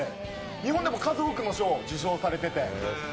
日本でも数多くの賞を受賞されてて。